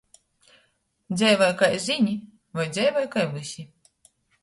Dzeivoj, kai zyni, voi dzeivoj kai vysi.